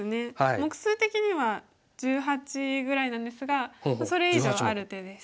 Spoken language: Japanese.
目数的には１８ぐらいなんですがそれ以上ある手です。